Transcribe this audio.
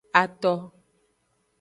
Ato.